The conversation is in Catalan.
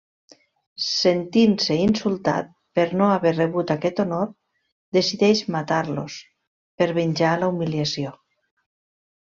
Sentint-se insultat per no haver rebut aquest honor, decideix matar-los per venjar la humiliació.